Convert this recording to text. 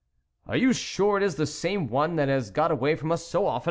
" Are you sure it is the same one that has got away from us so often